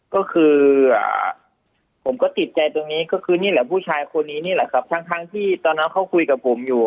ก็คือผมก็ติดใจตรงนี้ก็คือนี่แหละผู้ชายคนนี้นี่แหละครับทั้งที่ตอนนั้นเขาคุยกับผมอยู่